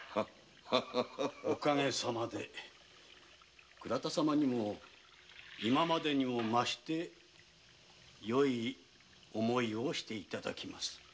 お陰様で倉田様にも今までにも増してよい思いをして頂きます。